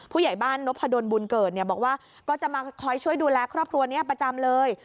ผู้ใหญ่บ้านนพดลบุญเกิดเนี่ยบอกว่าก็จะมาคอยช่วยดูแลครอบครัวนี้ประจำเลย